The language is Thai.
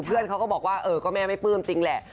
เพื่อนเขาก็บอกว่าเออก็แม่ไม่ปลื้มจริงแหละ